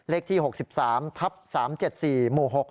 เลขที่๖๓ทับ๓๗๔หมู่๖